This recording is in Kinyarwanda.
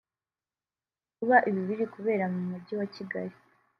Kuba ibi biri kubera mu mujyi wa Kigali